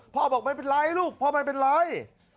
บอกไม่เป็นไรลูกพ่อไม่เป็นไร